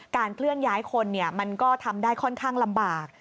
เคลื่อนย้ายคนมันก็ทำได้ค่อนข้างลำบาก